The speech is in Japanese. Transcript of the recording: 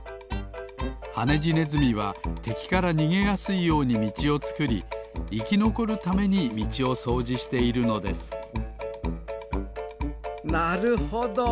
ハネジネズミはてきからにげやすいようにみちをつくりいきのこるためにみちをそうじしているのですなるほど！